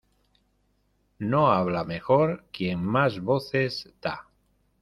No habla mejor quien más voces da.